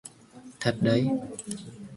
Thật đấy